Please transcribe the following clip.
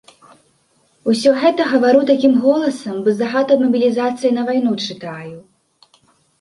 І ўсё гэта гавару такім голасам, бы загад аб мабілізацыі на вайну чытаю.